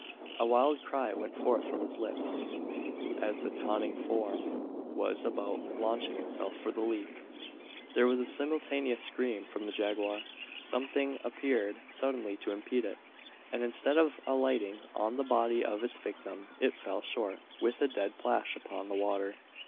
A wild cry went forth from his lips, as the tawny form was about launching itself for the leap. There was a simultaneous scream from the jaguar. Something appeared suddenly to impede it; and instead of alighting on the body of its victim, it fell short, with a dead plash upon the water!